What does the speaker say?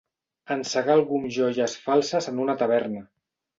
Encegar algú amb joies falses en una taverna.